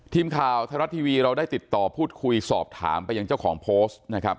ทีมข่าวไทยรัฐทีวีเราได้ติดต่อพูดคุยสอบถามไปยังเจ้าของโพสต์นะครับ